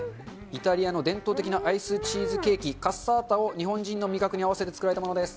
イタリアの伝統的なアイスチーズケーキ、カッサータを日本人の味覚に合わせて作られたものです。